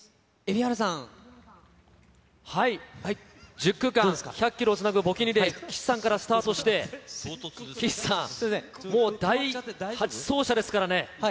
１０区間１００キロをつなぐ募金リレー、岸さんからスタートして、岸さん、もう第８走者ですからね。